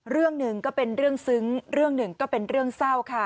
เรื่องหนึ่งก็เป็นเรื่องซึ้งเรื่องหนึ่งก็เป็นเรื่องเศร้าค่ะ